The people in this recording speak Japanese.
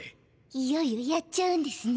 いよいよやっちゃうんですね。